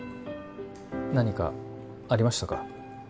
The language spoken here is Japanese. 何かありましたか？